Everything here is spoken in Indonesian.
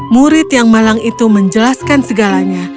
murid yang malang itu menjelaskan segalanya